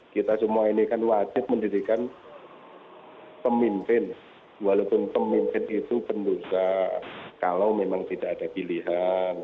kita semua ini kan wajib mendirikan pemimpin walaupun pemimpin itu pendosa kalau memang tidak ada pilihan